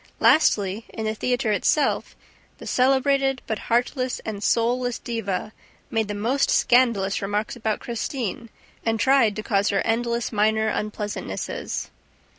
Lastly, in the theater itself, the celebrated, but heartless and soulless diva made the most scandalous remarks about Christine and tried to cause her endless minor unpleasantnesses.